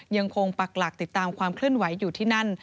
ยังคงปากหลักติดตามความขึ้นไหวอยู่ที่นั่น